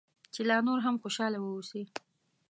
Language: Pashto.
چې لا نور هم خوشاله واوسې.